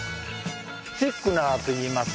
シックナーといいます。